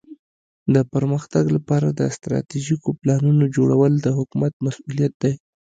د پرمختګ لپاره د استراتیژیکو پلانونو جوړول د حکومت مسؤولیت دی.